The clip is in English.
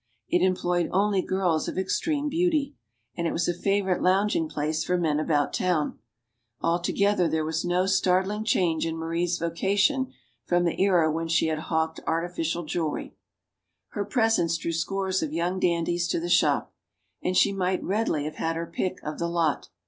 It employed only girls of extreme beauty. And it was a favorite louging place for men about town. Altogether, there was no startling change in Marie's vocation from the era when she had hawked artificial jewelry. Her presence drew scores of young dandies to the shop. And she might readily have had her pick of the lot.